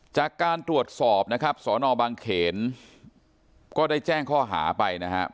จากการตรวจสอบนะครับสอนอบางเขนก็ได้แจ้งข้อหาไปนะครับ